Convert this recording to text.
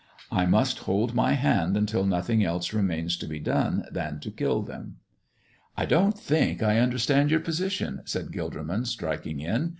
I must hold my hand until nothing else remains to be done than to kill them." "I don't think I understand your position," said Gilderman, striking in.